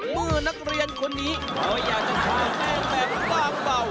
เมื่อนักเรียนคนนี้เขาอยากจะฆ่าแป้งแบบบางเบา